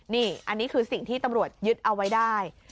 นี่อันนี้คือสิ่งที่ตำรวจยึดเอาไว้ได้